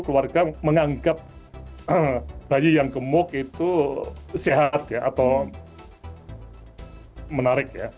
keluarga menganggap bayi yang gemuk itu sehat atau menarik